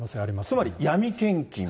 つまり闇献金。